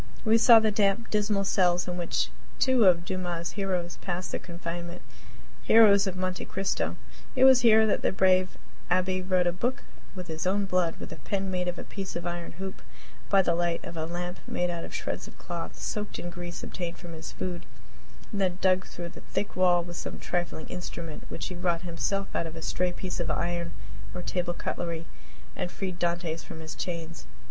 We saw the damp, dismal cells in which two of Dumas' heroes passed their confinement heroes of "Monte Cristo." It was here that the brave Abbe wrote a book with his own blood, with a pen made of a piece of iron hoop, and by the light of a lamp made out of shreds of cloth soaked in grease obtained from his food; and then dug through the thick wall with some trifling instrument which he wrought himself out of a stray piece of iron or table cutlery and freed Dantes from his chains.